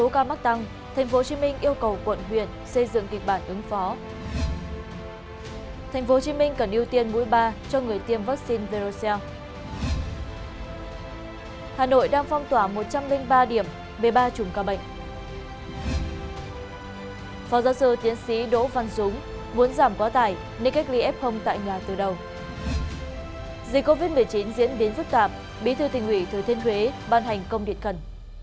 các bạn hãy đăng kí cho kênh lalaschool để không bỏ lỡ những video hấp dẫn